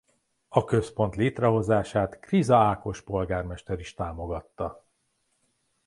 A központ létrehozását Kriza Ákos polgármester is támogatta.